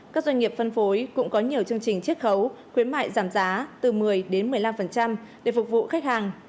các doanh nghiệp phân phối cũng có nhiều chương trình triết khấu khuyến mại giảm giá từ một mươi đến một mươi năm để phục vụ khách hàng